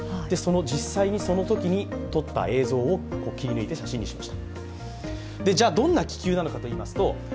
実際にそのときに撮った映像を切り抜いて写真にしました。